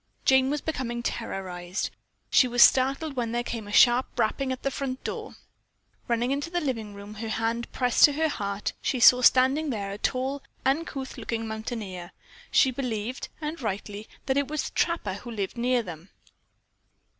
Jane was becoming terrorized. She was startled when there came a sharp rapping at the front door. Running into the living room, her hand pressed to her heart, she saw standing there a tall, uncouth looking mountaineer. She believed, and rightly, that it was the trapper who lived near them.